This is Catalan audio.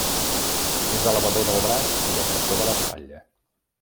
És elevador del braç i depressor de l'espatlla.